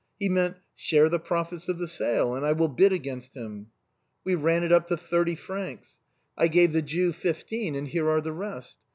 He meant, ' share the profits of the sale, and I will bid against him.' We ran it up to thirty francs. I gave the Jew fifteen, and here are the rest.